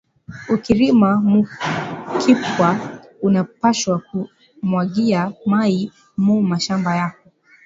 Uki rima mu kipwa una pashwa ku mwangiya mayi mu mashamba yako